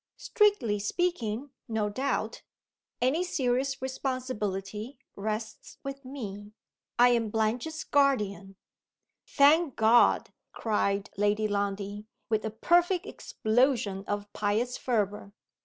"Strictly speaking, no doubt, any serious responsibility rests with me. I am Blanche's guardian " "Thank God!" cried Lady Lundie, with a perfect explosion of pious fervor.